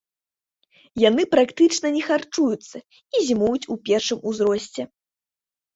Яны практычна не харчуюцца і зімуюць у першым узросце.